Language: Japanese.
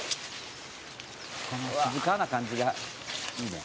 「この静かな感じがいいね」